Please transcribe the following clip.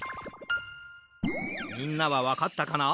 みんなはわかったかな？